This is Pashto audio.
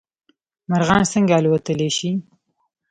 مرغان څنګه الوتلی شي؟